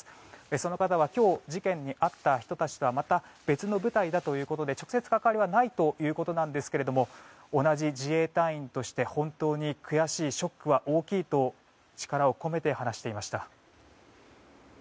その方は今日、事件に遭った人たちとはまた別の部隊だということで直接関わりはないということですが同じ自衛隊員として本当に悔しいショックは大きいと力を込めて話していました。